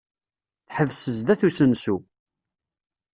Teḥbes sdat usensu.